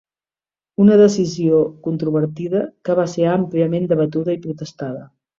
Una decisió controvertida que va ser àmpliament debatuda i protestada.